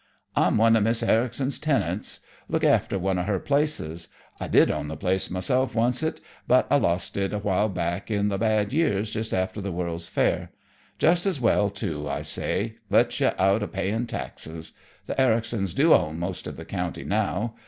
"I'm one o' Mis' Ericson's tenants. Look after one of her places. I did own the place myself oncet, but I lost it a while back, in the bad years just after the World's Fair. Just as well, too, I say. Lets you out o' payin' taxes. The Ericsons do own most of the county now.